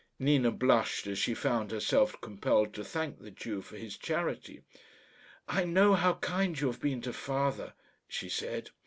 Nina blushed as she found herself compelled to thank the Jew for his charity. "I know how kind you have been to father," she said.